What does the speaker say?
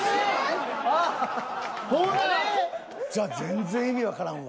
じゃ全然意味わからんわ。